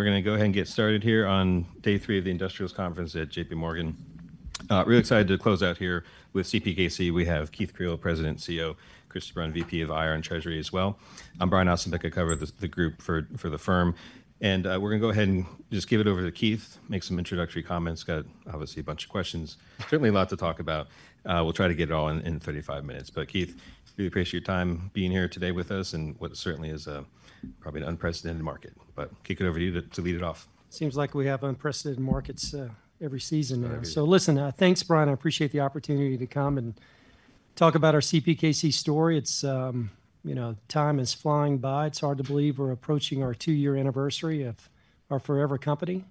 We're going to go ahead and get started here on day three of the Industrials Conference at JPMorgan. Really excited to close out here with CPKC. We have Keith Creel, President and CEO, Chris de Bruyn, VP of IR and Treasury as well. I'm Brian Ossenbeck, I cover the group for the firm. We're going to go ahead and just give it over to Keith, make some introductory comments. Got obviously a bunch of questions, certainly a lot to talk about. We'll try to get it all in 35 minutes. Keith, really appreciate your time being here today with us and what certainly is probably an unprecedented market. Kick it over to you to lead it off. Seems like we have unprecedented markets every season. Listen, thanks, Brian. I appreciate the opportunity to come and talk about our CPKC story. It's, you know, time is flying by. It's hard to believe we're approaching our two-year anniversary of our forever company.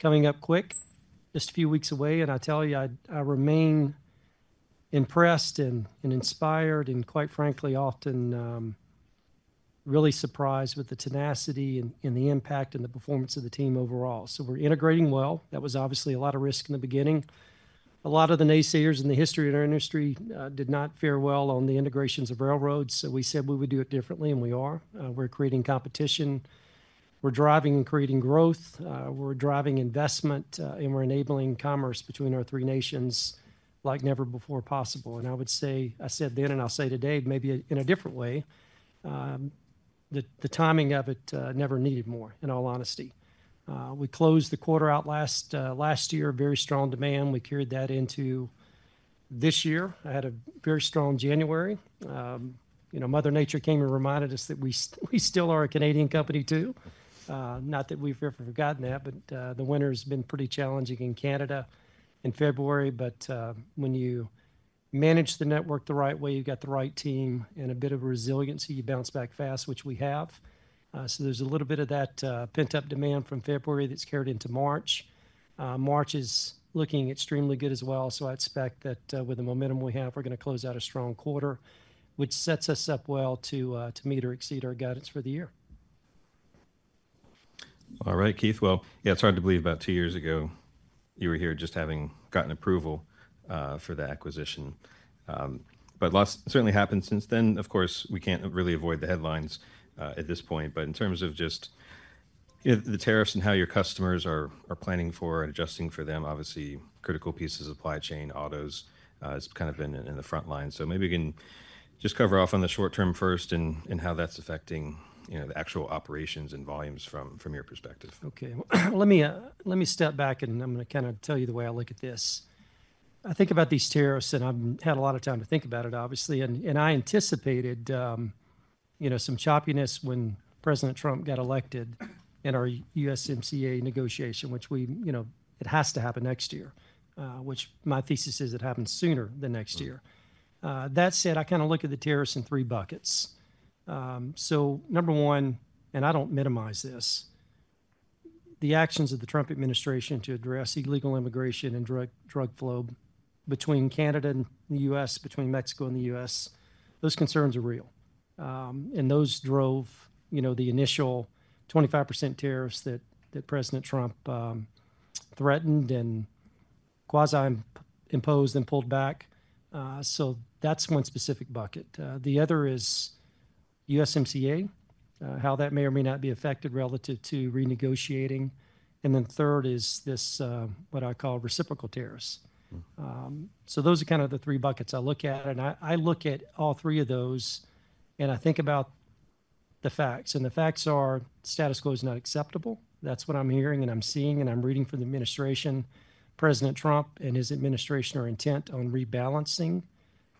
Coming up quick, just a few weeks away. I tell you, I remain impressed and inspired and, quite frankly, often really surprised with the tenacity and the impact and the performance of the team overall. We're integrating well. That was obviously a lot of risk in the beginning. A lot of the naysayers in the history of our industry did not fare well on the integrations of railroads. We said we would do it differently, and we are. We're creating competition. We're driving and creating growth. We're driving investment, and we're enabling commerce between our three nations like never before possible. I would say, I said then and I'll say today, maybe in a different way, the timing of it never needed more, in all honesty. We closed the quarter out last year, very strong demand. We carried that into this year. I had a very strong January. You know, Mother Nature came and reminded us that we still are a Canadian company too. Not that we've ever forgotten that, but the winter has been pretty challenging in Canada in February. When you manage the network the right way, you've got the right team and a bit of resiliency, you bounce back fast, which we have. There is a little bit of that pent-up demand from February that's carried into March. March is looking extremely good as well. I expect that with the momentum we have, we're going to close out a strong quarter, which sets us up well to meet or exceed our guidance for the year. All right, Keith. Yeah, it's hard to believe about two years ago you were here just having gotten approval for the acquisition. Lots certainly happened since then. Of course, we can't really avoid the headlines at this point. In terms of just the tariffs and how your customers are planning for and adjusting for them, obviously critical pieces, supply chain, autos has kind of been in the front line. Maybe we can just cover off on the short term first and how that's affecting the actual operations and volumes from your perspective. Okay. Let me step back, and I'm going to kind of tell you the way I look at this. I think about these tariffs, and I've had a lot of time to think about it, obviously. I anticipated, you know, some choppiness when President Trump got elected in our USMCA negotiation, which we, you know, it has to happen next year, which my thesis is it happens sooner than next year. That said, I kind of look at the tariffs in three buckets. Number one, and I don't minimize this, the actions of the Trump administration to address illegal immigration and drug flow between Canada and the U.S., between Mexico and the U.S., those concerns are real. Those drove, you know, the initial 25% tariffs that President Trump threatened and quasi-imposed and pulled back. That's one specific bucket. The other is USMCA, how that may or may not be affected relative to renegotiating. Third is this, what I call reciprocal tariffs. Those are kind of the three buckets I look at. I look at all three of those, and I think about the facts. The facts are status quo is not acceptable. That is what I'm hearing and I'm seeing and I'm reading from the administration. President Trump and his administration are intent on rebalancing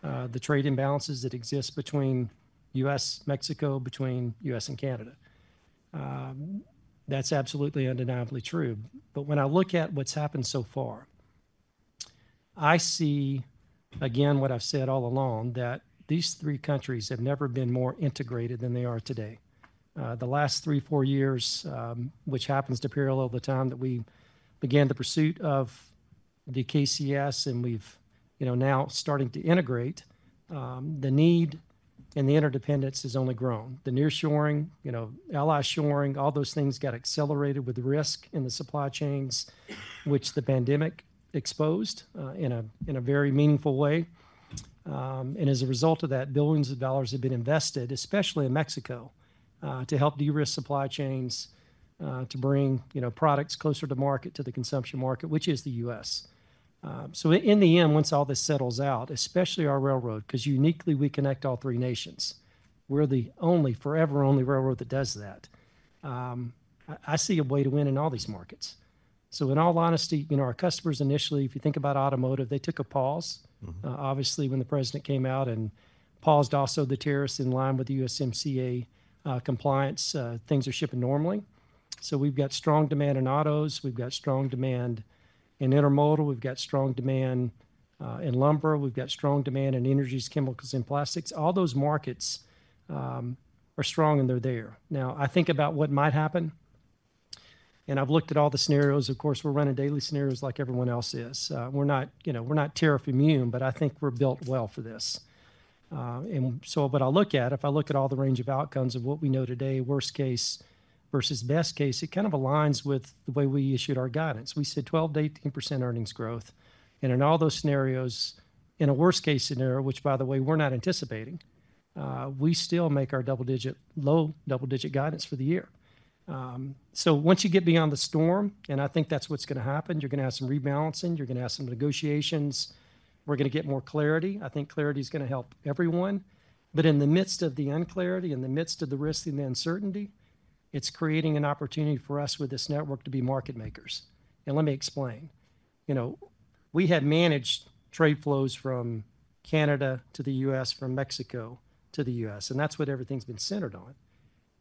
the trade imbalances that exist between U.S., Mexico, between U.S. and Canada. That is absolutely undeniably true. When I look at what has happened so far, I see, again, what I've said all along, that these three countries have never been more integrated than they are today. The last three, four years, which happens to parallel the time that we began the pursuit of the KCS, and we've, you know, now starting to integrate, the need and the interdependence has only grown. The nearshoring, you know, ally shoring, all those things got accelerated with risk in the supply chains, which the pandemic exposed in a very meaningful way. As a result of that, billions of dollars have been invested, especially in Mexico, to help de-risk supply chains, to bring, you know, products closer to market, to the consumption market, which is the U.S. In the end, once all this settles out, especially our railroad, because uniquely we connect all three nations, we're the only forever-only railroad that does that, I see a way to win in all these markets. In all honesty, you know, our customers initially, if you think about automotive, they took a pause. Obviously, when the president came out and paused also the tariffs in line with the USMCA compliance, things are shipping normally. We have strong demand in autos. We have strong demand in intermodal. We have strong demand in lumber. We have strong demand in energies, chemicals, and plastics. All those markets are strong and they are there. Now, I think about what might happen, and I have looked at all the scenarios. Of course, we are running daily scenarios like everyone else is. We are not, you know, we are not tariff immune, but I think we are built well for this. What I look at, if I look at all the range of outcomes of what we know today, worst case versus best case, it kind of aligns with the way we issued our guidance. We said 12%-18% earnings growth. In all those scenarios, in a worst-case scenario, which by the way, we're not anticipating, we still make our double-digit, low double-digit guidance for the year. Once you get beyond the storm, and I think that's what's going to happen, you're going to have some rebalancing, you're going to have some negotiations, we're going to get more clarity. I think clarity is going to help everyone. In the midst of the unclarity, in the midst of the risk and the uncertainty, it's creating an opportunity for us with this network to be market makers. Let me explain. You know, we had managed trade flows from Canada to the U.S., from Mexico to the U.S. That's what everything's been centered on.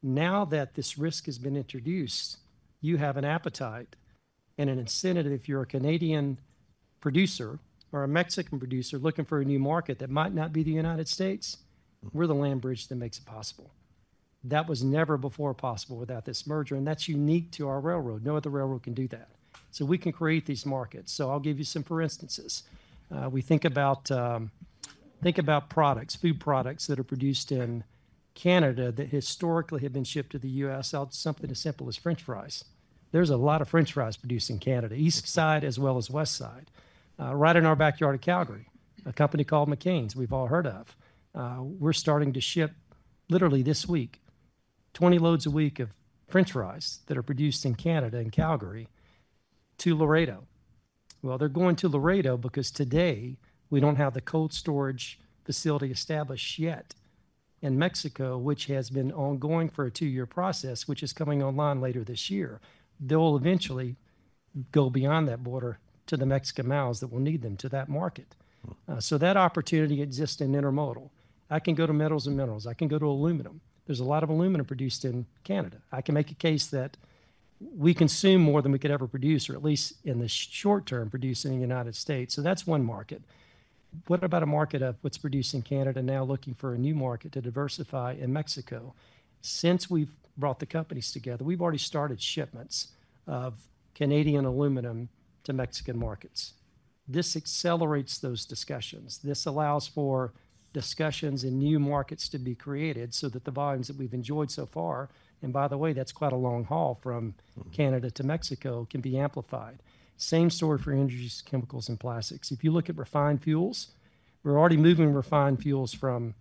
Now that this risk has been introduced, you have an appetite and an incentive. If you're a Canadian producer or a Mexican producer looking for a new market that might not be the United States, we're the land bridge that makes it possible. That was never before possible without this merger. That's unique to our railroad. No other railroad can do that. We can create these markets. I'll give you some for instances. We think about products, food products that are produced in Canada that historically have been shipped to the U.S., something as simple as French fries. There's a lot of French fries produced in Canada, east side as well as west side. Right in our backyard at Calgary, a company called McCain we've all heard of. We're starting to ship literally this week, 20 loads a week of French fries that are produced in Canada and Calgary to Laredo. They're going to Laredo because today we don't have the cold storage facility established yet in Mexico, which has been ongoing for a two-year process, which is coming online later this year. They'll eventually go beyond that border to the Mexican mouths that will need them to that market. That opportunity exists in intermodal. I can go to metals and minerals. I can go to aluminum. There's a lot of aluminum produced in Canada. I can make a case that we consume more than we could ever produce, or at least in the short term produced in the United States. That's one market. What about a market of what's produced in Canada now looking for a new market to diversify in Mexico? Since we've brought the companies together, we've already started shipments of Canadian aluminum to Mexican markets. This accelerates those discussions. This allows for discussions and new markets to be created so that the volumes that we've enjoyed so far, and by the way, that's quite a long haul from Canada to Mexico, can be amplified. Same story for energies, chemicals, and plastics. If you look at refined fuels, we're already moving refined fuels from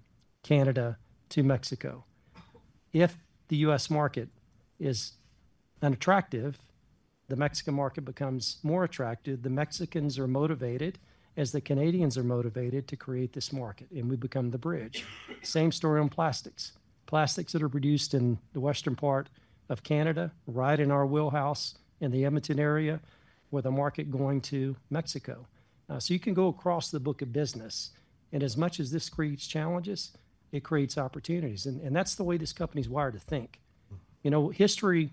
Canada to Mexico. If the U.S. market is unattractive, the Mexican market becomes more attractive. The Mexicans are motivated, as the Canadians are motivated to create this market, and we become the bridge. Same story on plastics. Plastics that are produced in the western part of Canada, right in our wheelhouse in the Edmonton area, with a market going to Mexico. You can go across the book of business, and as much as this creates challenges, it creates opportunities. That's the way this company's wired to think. You know, history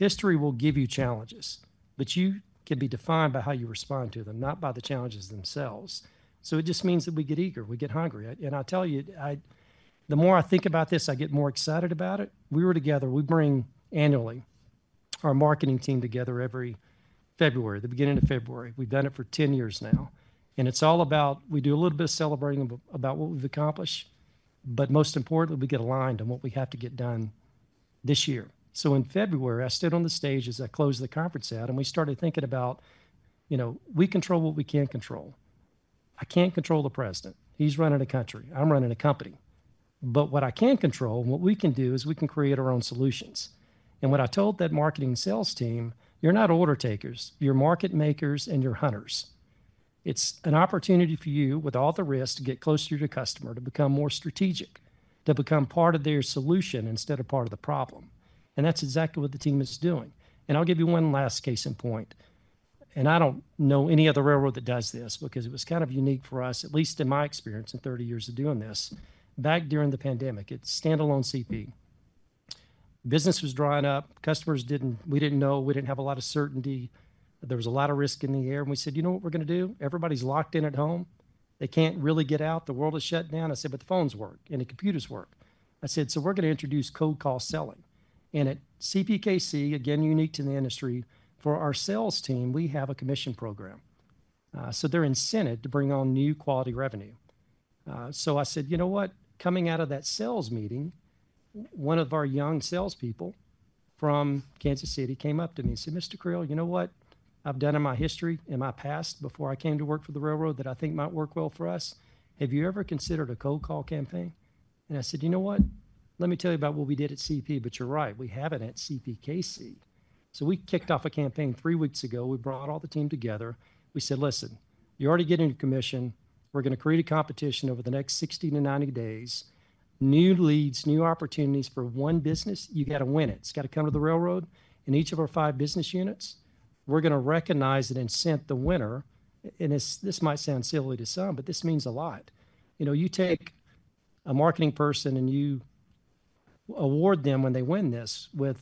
will give you challenges, but you can be defined by how you respond to them, not by the challenges themselves. It just means that we get eager, we get hungry. I tell you, the more I think about this, I get more excited about it. We were together, we bring annually our marketing team together every February, the beginning of February. We've done it for 10 years now. It is all about we do a little bit of celebrating about what we have accomplished, but most importantly, we get aligned on what we have to get done this year. In February, I stood on the stage as I closed the conference out, and we started thinking about, you know, we control what we cannot control. I cannot control the president. He is running a country. I am running a company. What I can control and what we can do is we can create our own solutions. When I told that marketing sales team, you are not order takers, you are market makers and you are hunters. It is an opportunity for you with all the risks to get closer to your customer, to become more strategic, to become part of their solution instead of part of the problem. That is exactly what the team is doing. I'll give you one last case in point. I don't know any other railroad that does this because it was kind of unique for us, at least in my experience in 30 years of doing this. Back during the pandemic, it's standalone CP. Business was drying up. Customers didn't, we didn't know, we didn't have a lot of certainty. There was a lot of risk in the air. We said, you know what we're going to do? Everybody's locked in at home. They can't really get out. The world is shut down. I said, but the phones work and the computers work. I said, we're going to introduce cold call selling. At CPKC, again, unique to the industry, for our sales team, we have a commission program. They're incented to bring on new quality revenue. I said, you know what? Coming out of that sales meeting, one of our young salespeople from Kansas City came up to me and said, Mr. Creel, you know what? I've done in my history and my past before I came to work for the railroad that I think might work well for us. Have you ever considered a cold call campaign? I said, you know what? Let me tell you about what we did at CP, but you're right, we haven't at CPKC. We kicked off a campaign three weeks ago. We brought all the team together. We said, listen, you're already getting a commission. We're going to create a competition over the next 60-90 days. New leads, new opportunities for one business. You got to win it. It's got to come to the railroad in each of our five business units. We're going to recognize and incent the winner. This might sound silly to some, but this means a lot. You know, you take a marketing person and you award them when they win this with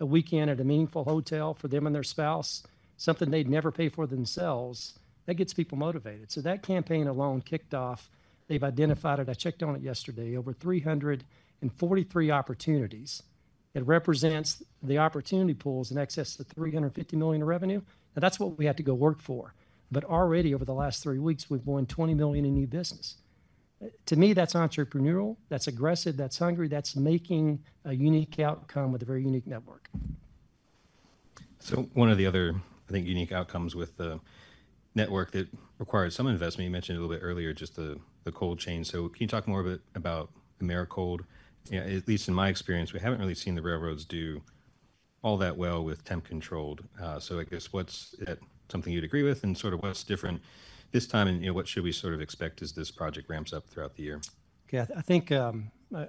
a weekend at a meaningful hotel for them and their spouse, something they'd never pay for themselves. That gets people motivated. That campaign alone kicked off. They've identified it. I checked on it yesterday. Over 343 opportunities. It represents the opportunity pools in excess of $350 million in revenue. That's what we had to go work for. Already over the last three weeks, we've won $20 million in new business. To me, that's entrepreneurial. That's aggressive. That's hungry. That's making a unique outcome with a very unique network. One of the other, I think, unique outcomes with the network that requires some investment, you mentioned a little bit earlier, just the cold chain. Can you talk more about Americold? At least in my experience, we haven't really seen the railroads do all that well with temp controlled. I guess is that something you'd agree with and sort of what's different this time and what should we sort of expect as this project ramps up throughout the year? Yeah, I think,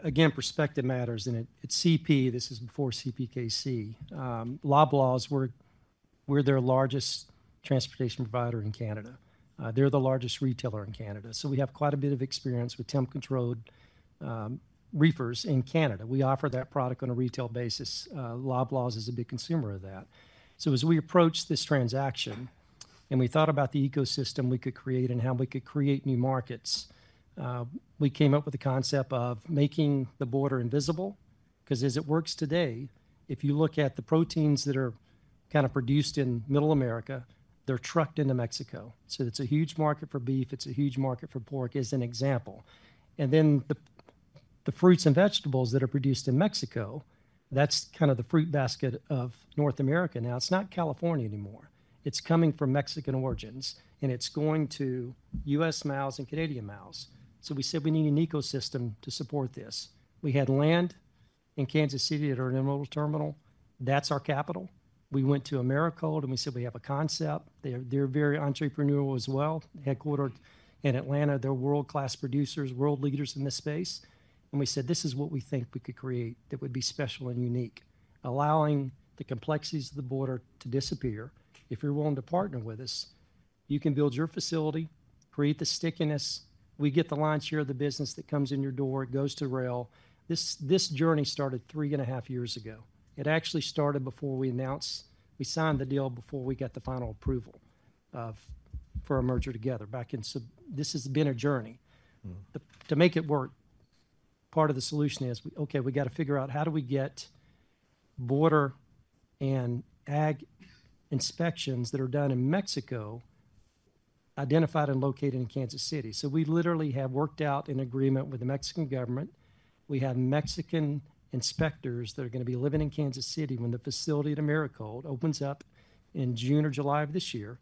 again, perspective matters. At CP, this is before CPKC, Loblaws, we're their largest transportation provider in Canada. They're the largest retailer in Canada. We have quite a bit of experience with temp controlled reefers in Canada. We offer that product on a retail basis. Loblaws is a big consumer of that. As we approached this transaction and we thought about the ecosystem we could create and how we could create new markets, we came up with the concept of making the border invisible. Because as it works today, if you look at the proteins that are kind of produced in Middle America, they're trucked into Mexico. It's a huge market for beef. It's a huge market for pork as an example. The fruits and vegetables that are produced in Mexico, that's kind of the fruit basket of North America. Now it's not California anymore. It's coming from Mexican origins and it's going to U.S. mouths and Canadian mouths. We said we need an ecosystem to support this. We had land in Kansas City at our intermodal terminal. That's our capital. We went to Americold and we said we have a concept. They're very entrepreneurial as well. Headquartered in Atlanta. They're world-class producers, world leaders in this space. We said this is what we think we could create that would be special and unique, allowing the complexities of the border to disappear. If you're willing to partner with us, you can build your facility, create the stickiness. We get the lion's share of the business that comes in your door. It goes to rail. This journey started three and a half years ago. It actually started before we announced, we signed the deal before we got the final approval for a merger together back in. This has been a journey. To make it work, part of the solution is, okay, we got to figure out how do we get border and ag inspections that are done in Mexico identified and located in Kansas City. We literally have worked out an agreement with the Mexican government. We have Mexican inspectors that are going to be living in Kansas City when the facility at Americold opens up in June or July of this year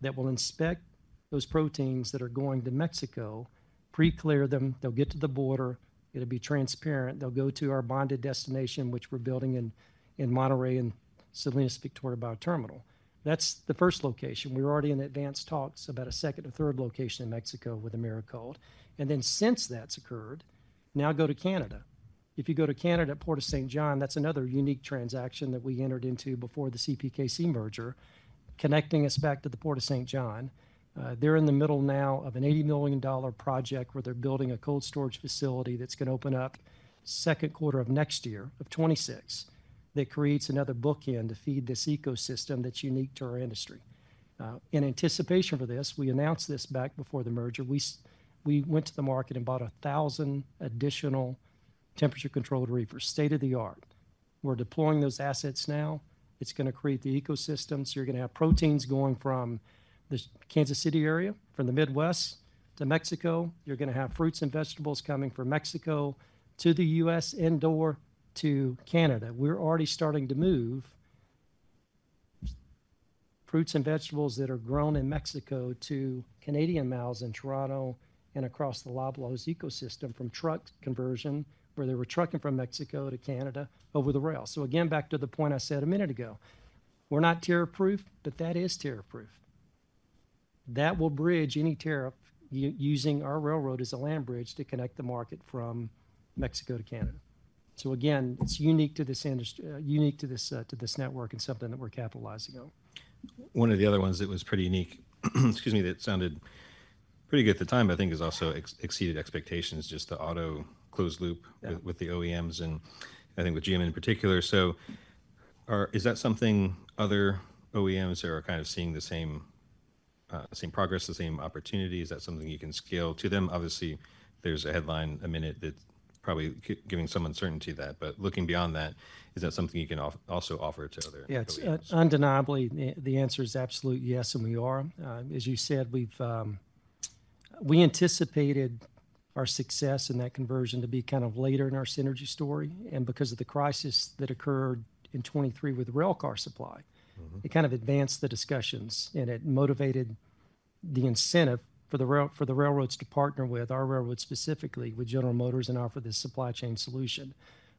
that will inspect those proteins that are going to Mexico, pre-clear them. They'll get to the border. It'll be transparent. They'll go to our bonded destination, which we're building in Monterrey and Salinas Victoria Bio Terminal. That's the first location. We're already in advanced talks about a second or third location in Mexico with Americold. Since that's occurred, now go to Canada. If you go to Canada at Port of Saint John, that's another unique transaction that we entered into before the CPKC merger, connecting us back to the Port of Saint John. They're in the middle now of an $80 million project where they're building a cold storage facility that's going to open up second quarter of next year of 2026. That creates another bookend to feed this ecosystem that's unique to our industry. In anticipation for this, we announced this back before the merger. We went to the market and bought 1,000 additional temperature-controlled reefers, state of the art. We're deploying those assets now. It's going to create the ecosystem. You're going to have proteins going from the Kansas City area, from the Midwest to Mexico. You're going to have fruits and vegetables coming from Mexico to the U.S. and to Canada. We're already starting to move fruits and vegetables that are grown in Mexico to Canadian mouths in Toronto and across the Loblaws ecosystem from truck conversion where they were trucking from Mexico to Canada over the rail. Again, back to the point I said a minute ago, we're not tariff-proof, but that is tariff-proof. That will bridge any tariff using our railroad as a land bridge to connect the market from Mexico to Canada. Again, it's unique to this network and something that we're capitalizing on. One of the other ones that was pretty unique, excuse me, that sounded pretty good at the time, I think has also exceeded expectations, just the auto closed loop with the OEMs and I think with GM in particular. Is that something other OEMs are kind of seeing the same progress, the same opportunity? Is that something you can scale to them? Obviously, there's a headline a minute that's probably giving some uncertainty to that. Looking beyond that, is that something you can also offer to other players? Yeah, undeniably, the answer is absolute yes and we are. As you said, we anticipated our success in that conversion to be kind of later in our synergy story. Because of the crisis that occurred in 2023 with railcar supply, it kind of advanced the discussions and it motivated the incentive for the railroads to partner with our railroad specifically with General Motors and offer this supply chain solution.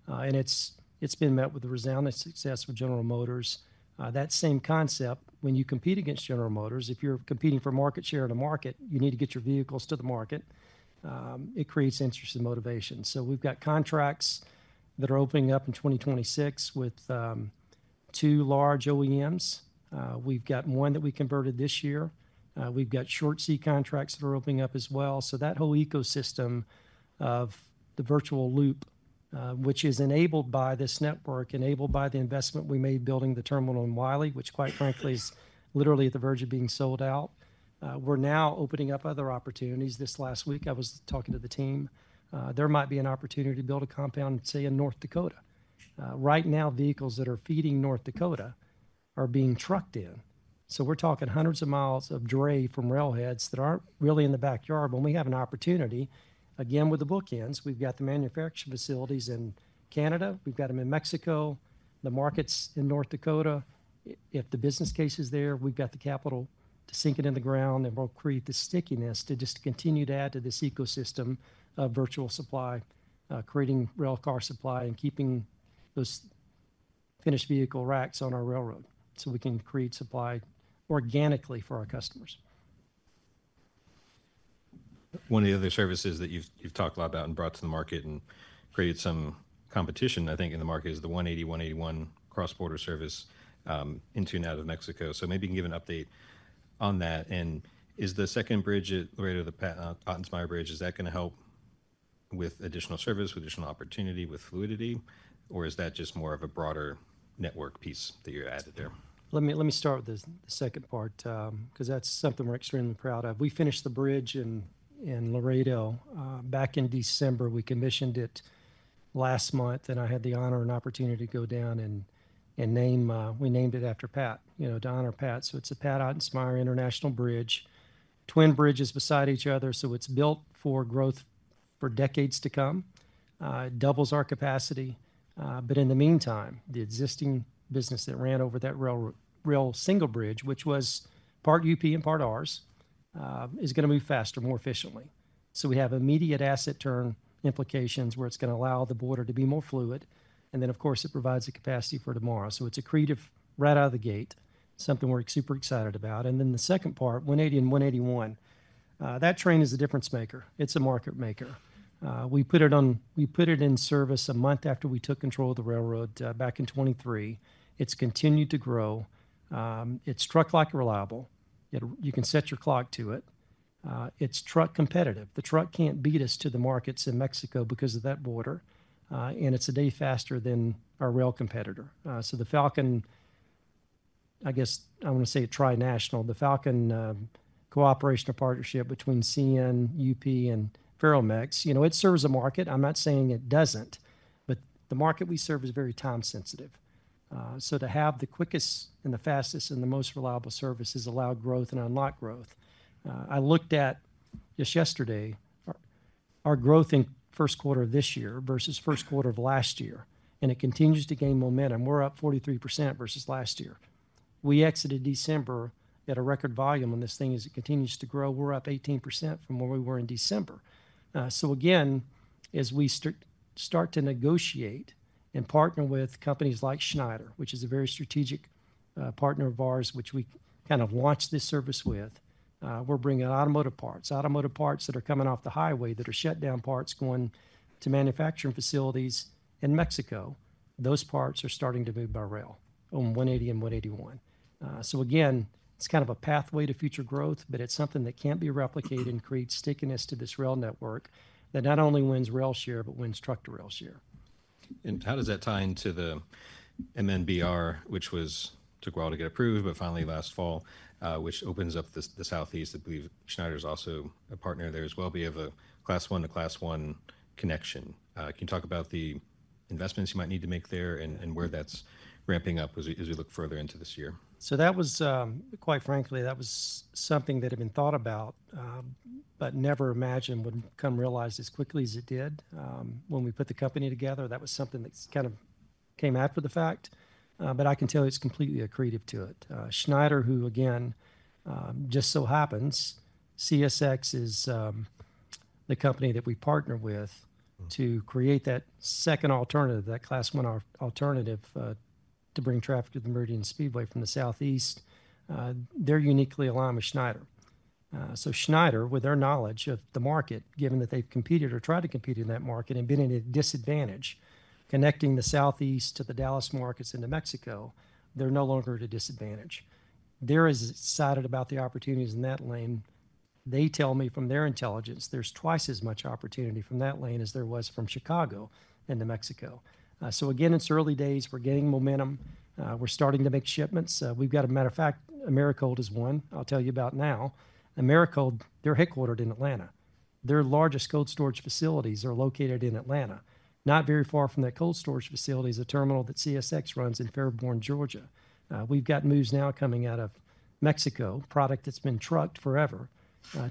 It has been met with the resounding success with General Motors. That same concept, when you compete against General Motors, if you're competing for market share in a market, you need to get your vehicles to the market. It creates interest and motivation. We have contracts that are opening up in 2026 with two large OEMs. We have one that we converted this year. We have short sea contracts that are opening up as well. That whole ecosystem of the virtual loop, which is enabled by this network, enabled by the investment we made building the terminal in Wylie, which quite frankly is literally at the verge of being sold out. We're now opening up other opportunities. This last week, I was talking to the team. There might be an opportunity to build a compound, say, in North Dakota. Right now, vehicles that are feeding North Dakota are being trucked in. We're talking hundreds of miles of dray from railheads that aren't really in the backyard. When we have an opportunity, again, with the bookends, we've got the manufacturing facilities in Canada. We've got them in Mexico. The market's in North Dakota. If the business case is there, we've got the capital to sink it in the ground and we'll create the stickiness to just continue to add to this ecosystem of virtual supply, creating railcar supply and keeping those finished vehicle racks on our railroad so we can create supply organically for our customers. One of the other services that you've talked a lot about and brought to the market and created some competition, I think, in the market is the 180-181 cross-border service into and out of Mexico. Maybe you can give an update on that. Is the second bridge at Laredo, the Pat Ottensmeyer Bridge, going to help with additional service, with additional opportunity, with fluidity, or is that just more of a broader network piece that you added there? Let me start with the second part because that's something we're extremely proud of. We finished the bridge in Laredo back in December. We commissioned it last month and I had the honor and opportunity to go down and name, we named it after Pat, you know, to honor Pat. So it's a Pat Ottensmeyer International Bridge. Twin bridges beside each other. It's built for growth for decades to come. It doubles our capacity. In the meantime, the existing business that ran over that rail single bridge, which was part UP and part ours, is going to move faster, more efficiently. We have immediate asset turn implications where it's going to allow the border to be more fluid. Of course, it provides the capacity for tomorrow. It's accretive right out of the gate, something we're super excited about. The second part, 180 and 181, that train is a difference maker. It's a market maker. We put it in service a month after we took control of the railroad back in 2023. It's continued to grow. It's truck-like reliable. You can set your clock to it. It's truck competitive. The truck can't beat us to the markets in Mexico because of that border. It's a day faster than our rail competitor. The Falcon, I guess I want to say tri-national, the Falcon cooperation or partnership between CN, UP, and Ferromex, you know, it serves a market. I'm not saying it doesn't, but the market we serve is very time-sensitive. To have the quickest and the fastest and the most reliable service has allowed growth and unlocked growth. I looked at just yesterday our growth in first quarter of this year versus first quarter of last year, and it continues to gain momentum. We're up 43% versus last year. We exited December at a record volume, and this thing as it continues to grow, we're up 18% from where we were in December. As we start to negotiate and partner with companies like Schneider, which is a very strategic partner of ours, which we kind of launched this service with, we're bringing automotive parts, automotive parts that are coming off the highway that are shutdown parts going to manufacturing facilities in Mexico. Those parts are starting to move by rail on 180 and 181. Again, it's kind of a pathway to future growth, but it's something that can't be replicated and creates stickiness to this rail network that not only wins rail share, but wins truck-to-rail share. How does that tie into the MNBR, which was to go out and get approved, but finally last fall, which opens up the southeast? I believe Schneider is also a partner there as well. You have a Class 1 to Class 1 connection. Can you talk about the investments you might need to make there and where that's ramping up as we look further into this year? That was, quite frankly, something that had been thought about, but never imagined would come to realize as quickly as it did. When we put the company together, that was something that kind of came after the fact. I can tell you it's completely accretive to it. Schneider, who again, just so happens, CSX is the company that we partner with to create that second alternative, that Class 1 alternative to bring traffic to the Meridian Speedway from the Southeast. They're uniquely aligned with Schneider. Schneider, with their knowledge of the market, given that they've competed or tried to compete in that market and been at a disadvantage connecting the southeast to the Dallas markets into Mexico, they're no longer at a disadvantage. They're excited about the opportunities in that lane. They tell me from their intelligence, there's twice as much opportunity from that lane as there was from Chicago into Mexico. Again, it's early days. We're getting momentum. We're starting to make shipments. As a matter of fact, Americold is one. I'll tell you about it now. Americold, they're headquartered in Atlanta. Their largest cold storage facilities are located in Atlanta. Not very far from that cold storage facility is a terminal that CSX runs in Fairburn, Georgia. We've got moves now coming out of Mexico, product that's been trucked forever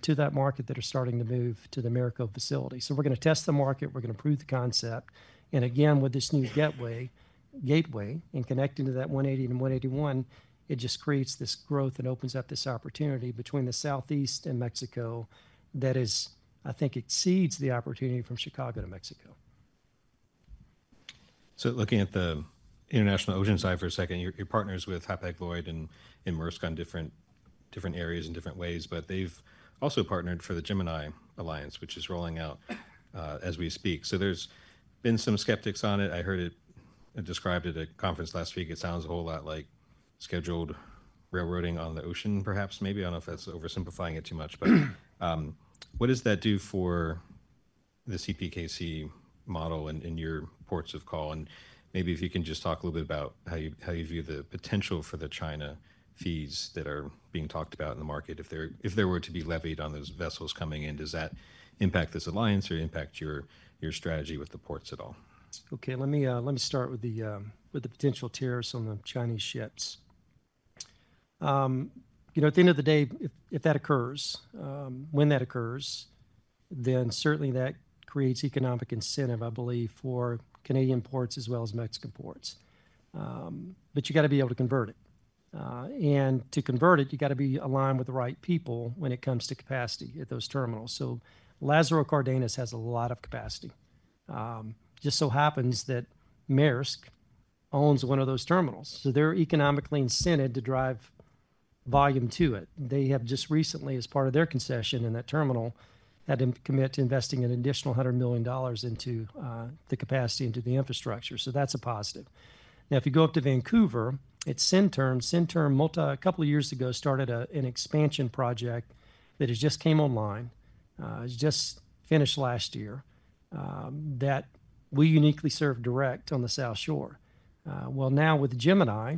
to that market that is starting to move to the Americold facility. We're going to test the market. We're going to prove the concept. With this new gateway and connecting to that 180 and 181, it just creates this growth and opens up this opportunity between the southeast and Mexico that is, I think, exceeds the opportunity from Chicago to Mexico. Looking at the international ocean side for a second, your partners with Hapag-Lloyd and Maersk on different areas in different ways, but they've also partnered for the Gemini Alliance, which is rolling out as we speak. There have been some skeptics on it. I heard it described at a conference last week. It sounds a whole lot like scheduled railroading on the ocean, perhaps, maybe. I do not know if that's oversimplifying it too much, but what does that do for the CPKC model and your ports of call? Maybe if you can just talk a little bit about how you view the potential for the China fees that are being talked about in the market, if there were to be levied on those vessels coming in, does that impact this alliance or impact your strategy with the ports at all? Okay, let me start with the potential tariffs on the Chinese ships. You know, at the end of the day, if that occurs, when that occurs, then certainly that creates economic incentive, I believe, for Canadian ports as well as Mexican ports. You got to be able to convert it. To convert it, you got to be aligned with the right people when it comes to capacity at those terminals. Lazaro Cardenas has a lot of capacity. It just so happens that Maersk owns one of those terminals. They're economically incented to drive volume to it. They have just recently, as part of their concession in that terminal, had to commit to investing an additional $100 million into the capacity into the infrastructure. That's a positive. Now, if you go up to Vancouver, at Centerm, Centerm a couple of years ago started an expansion project that has just come online. It just finished last year that we uniquely serve direct on the South Shore. Now with Gemini,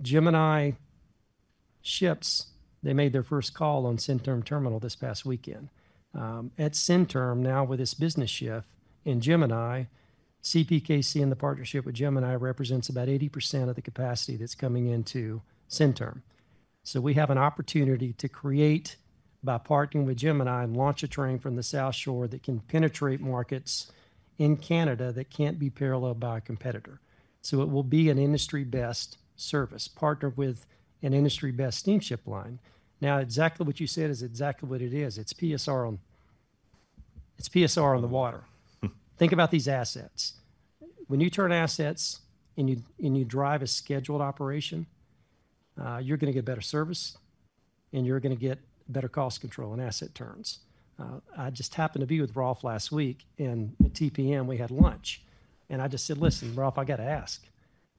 Gemini ships, they made their first call on Centerm Terminal this past weekend. At Centerm now, with this business shift in Gemini, CPKC and the partnership with Gemini represents about 80% of the capacity that's coming into Centerm. We have an opportunity to create, by partnering with Gemini, launch a train from the South Shore that can penetrate markets in Canada that can't be paralleled by a competitor. It will be an industry-best service partnered with an industry-best steamship line. Exactly what you said is exactly what it is. It's PSR on the water. Think about these assets. When you turn assets and you drive a scheduled operation, you're going to get better service and you're going to get better cost control and asset turns. I just happened to be with Rolf last week and at TPM we had lunch and I just said, "Listen, Rolf, I got to ask."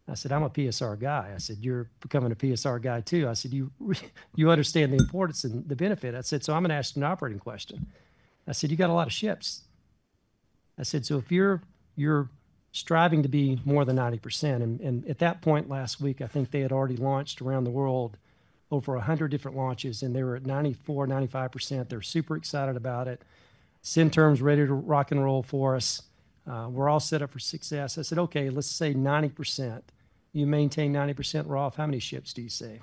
I said, "I'm a PSR guy." I said, "You're becoming a PSR guy too." I said, "You understand the importance and the benefit." I said, "So I'm going to ask you an operating question." I said, "You got a lot of ships." I said, "If you're striving to be more than 90%." At that point last week, I think they had already launched around the world over 100 different launches and they were at 94%, 95%. They're super excited about it. Centerm ready to rock and roll for us. We're all set up for success. I said, "Okay, let's say 90%. You maintain 90%, Rolf, how many ships do you save?"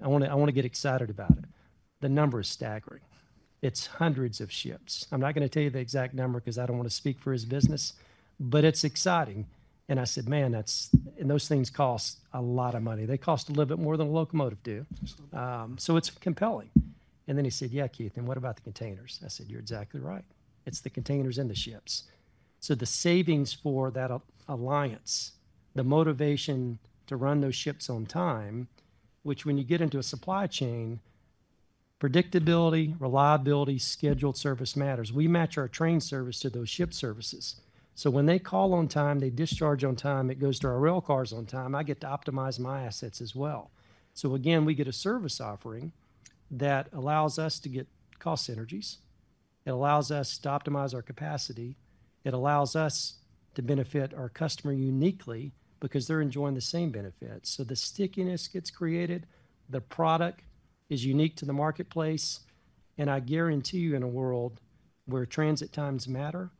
I want to get excited about it. The number is staggering. It's hundreds of ships. I'm not going to tell you the exact number because I don't want to speak for his business, but it's exciting. I said, "Man, those things cost a lot of money. They cost a little bit more than a locomotive do." It's compelling. He said, "Yeah, Keith, and what about the containers?" I said, "You're exactly right. It's the containers and the ships." The savings for that alliance, the motivation to run those ships on time, which when you get into a supply chain, predictability, reliability, scheduled service matters. We match our train service to those ship services. When they call on time, they discharge on time, it goes to our rail cars on time. I get to optimize my assets as well. We get a service offering that allows us to get cost synergies. It allows us to optimize our capacity. It allows us to benefit our customer uniquely because they're enjoying the same benefits. The stickiness gets created. The product is unique to the marketplace. I guarantee you in a world where transit times matter,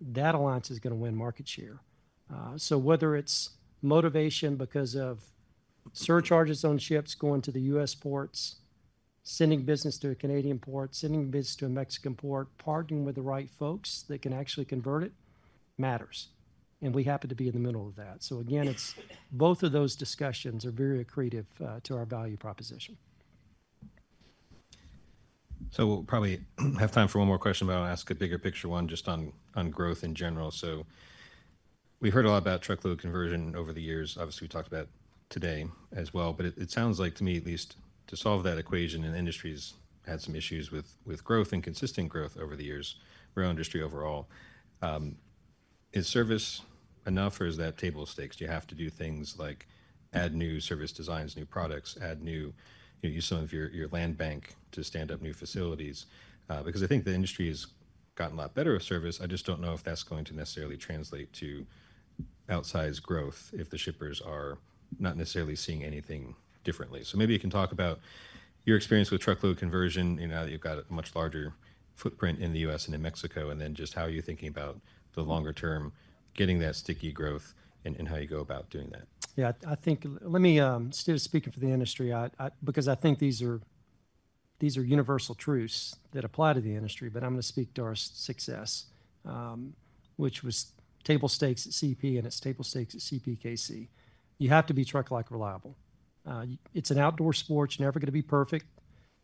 that alliance is going to win market share. Whether it's motivation because of surcharges on ships going to the U.S. ports, sending business to a Canadian port, sending business to a Mexican port, partnering with the right folks that can actually convert it matters. We happen to be in the middle of that. Again, both of those discussions are very accretive to our value proposition. We'll probably have time for one more question, but I'll ask a bigger picture one just on growth in general. We've heard a lot about truckload conversion over the years. Obviously, we talked about today as well, but it sounds like to me, at least to solve that equation, and industries had some issues with growth and consistent growth over the years, rail industry overall. Is service enough or is that table stakes? Do you have to do things like add new service designs, new products, add new, use some of your land bank to stand up new facilities? Because I think the industry has gotten a lot better with service. I just don't know if that's going to necessarily translate to outsized growth if the shippers are not necessarily seeing anything differently. Maybe you can talk about your experience with truckload conversion now that you've got a much larger footprint in the U.S. and in Mexico, and then just how you're thinking about the longer term getting that sticky growth and how you go about doing that. Yeah, I think let me still speak for the industry because I think these are universal truths that apply to the industry, but I'm going to speak to our success, which was table stakes at CP and it's table stakes at CPKC. You have to be truck-like reliable. It's an outdoor sport. It's never going to be perfect,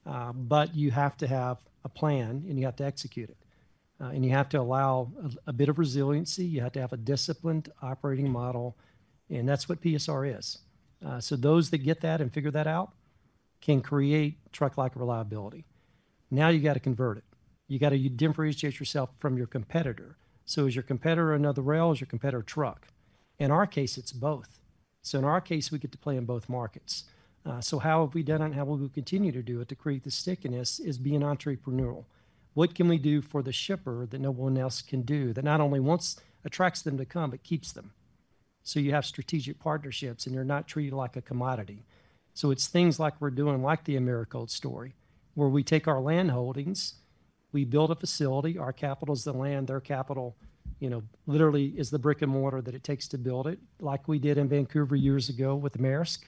but you have to have a plan and you have to execute it. You have to allow a bit of resiliency. You have to have a disciplined operating model. That's what PSR is. Those that get that and figure that out can create truck-like reliability. Now you got to convert it. You got to differentiate yourself from your competitor. Is your competitor another rail? Is your competitor a truck? In our case, it's both. In our case, we get to play in both markets. How have we done it and how will we continue to do it to create the stickiness is being entrepreneurial. What can we do for the shipper that no one else can do that not only attracts them to come, but keeps them? You have strategic partnerships, and you're not treated like a commodity. It's things like we're doing like the Americold story where we take our land holdings, we build a facility, our capital is the land, their capital literally is the brick and mortar that it takes to build it like we did in Vancouver years ago with Maersk.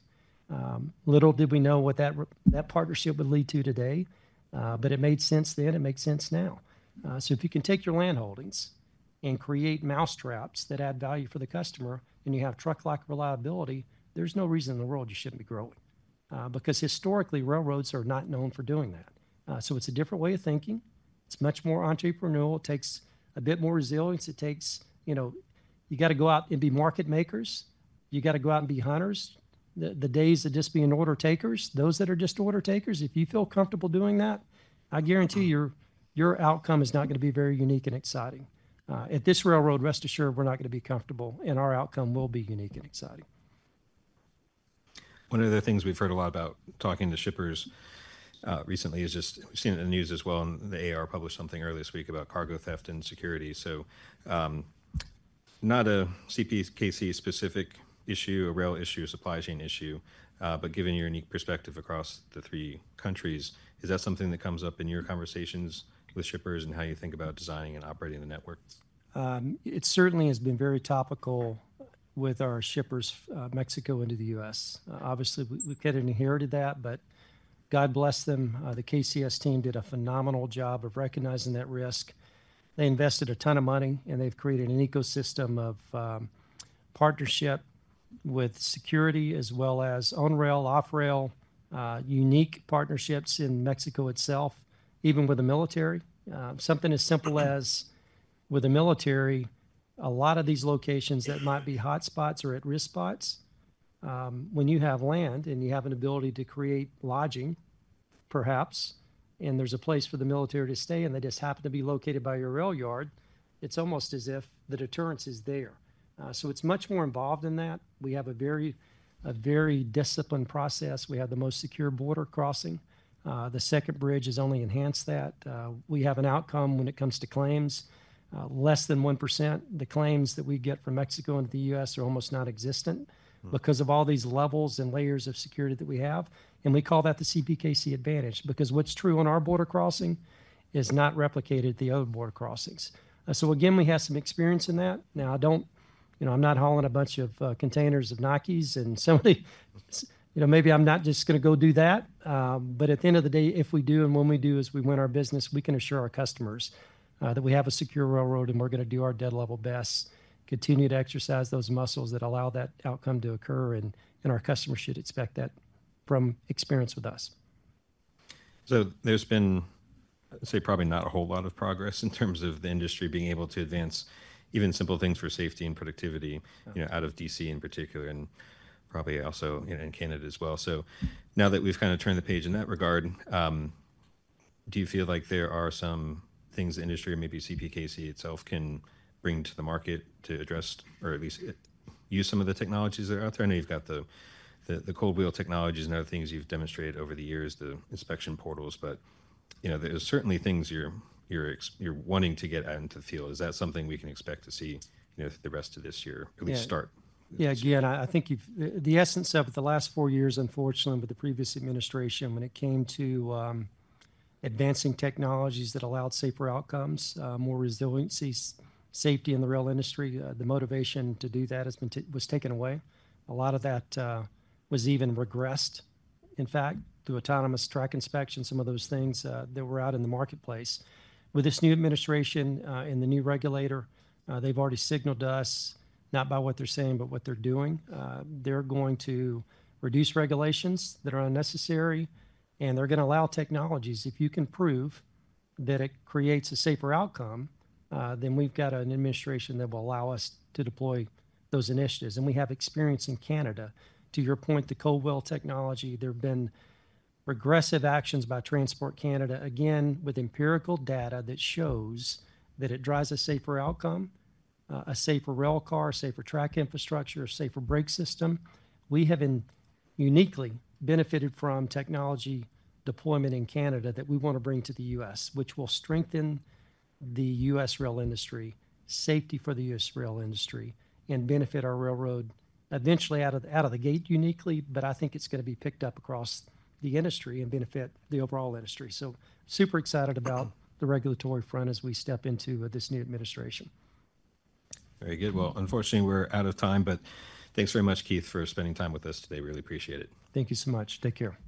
Little did we know what that partnership would lead to today, but it made sense then. It makes sense now. If you can take your land holdings and create mousetraps that add value for the customer and you have truck-like reliability, there's no reason in the world you shouldn't be growing because historically railroads are not known for doing that. It's a different way of thinking. It's much more entrepreneurial. It takes a bit more resilience. You got to go out and be market makers. You got to go out and be hunters. The days of just being order takers, those that are just order takers, if you feel comfortable doing that, I guarantee your outcome is not going to be very unique and exciting. At this railroad, rest assured, we're not going to be comfortable, and our outcome will be unique and exciting. One of the things we've heard a lot about talking to shippers recently is just we've seen it in the news as well and the AAR published something earlier this week about cargo theft and security. Not a CPKC specific issue, a rail issue, a supply chain issue, but given your unique perspective across the three countries, is that something that comes up in your conversations with shippers and how you think about designing and operating the network? It certainly has been very topical with our shippers Mexico into the U.S. Obviously, we've got to inherit that, but God bless them. The KCS team did a phenomenal job of recognizing that risk. They invested a ton of money, and they've created an ecosystem of partnership with security as well as on-rail, off-rail, unique partnerships in Mexico itself, even with the military. Something as simple as with the military, a lot of these locations that might be hotspots or at-risk spots, when you have land and you have an ability to create lodging, perhaps, and there's a place for the military to stay and they just happen to be located by your rail yard, it's almost as if the deterrence is there. It is much more involved than that. We have a very disciplined process. We have the most secure border crossing. The second bridge has only enhanced that. We have an outcome when it comes to claims, less than 1%. The claims that we get from Mexico into the U.S. are almost nonexistent because of all these levels and layers of security that we have. We call that the CPKC advantage because what's true on our border crossing is not replicated at the other border crossings. We have some experience in that. Now, I'm not hauling a bunch of containers of Nike's and somebody, maybe I'm not just going to go do that, but at the end of the day, if we do and when we do is we win our business, we can assure our customers that we have a secure railroad and we're going to do our dead level best, continue to exercise those muscles that allow that outcome to occur. Our customers should expect that from experience with us. There's been, I'd say, probably not a whole lot of progress in terms of the industry being able to advance even simple things for safety and productivity out of D.C. in particular and probably also in Canada as well. Now that we've kind of turned the page in that regard, do you feel like there are some things the industry or maybe CPKC itself can bring to the market to address or at least use some of the technologies that are out there? I know you've got the Cold Wheel technologies and other things you've demonstrated over the years, the inspection portals, but there are certainly things you're wanting to get out into the field. Is that something we can expect to see the rest of this year or at least start? Yeah, again, I think the essence of the last four years, unfortunately, with the previous administration, when it came to advancing technologies that allowed safer outcomes, more resiliency, safety in the rail industry, the motivation to do that was taken away. A lot of that was even regressed, in fact, through autonomous track inspection, some of those things that were out in the marketplace. With this new administration and the new regulator, they've already signaled to us, not by what they're saying, but what they're doing. They're going to reduce regulations that are unnecessary and they're going to allow technologies. If you can prove that it creates a safer outcome, then we've got an administration that will allow us to deploy those initiatives. We have experience in Canada. To your point, the Cold Wheel Technology, there have been regressive actions by Transport Canada, again, with empirical data that shows that it drives a safer outcome, a safer rail car, safer track infrastructure, safer brake system. We have uniquely benefited from technology deployment in Canada that we want to bring to the U.S., which will strengthen the U.S. rail industry, safety for the U.S. rail industry, and benefit our railroad eventually out of the gate uniquely, but I think it's going to be picked up across the industry and benefit the overall industry. Super excited about the regulatory front as we step into this new administration. Very good. Unfortunately, we're out of time, but thanks very much, Keith, for spending time with us today. Really appreciate it. Thank you so much. Take care.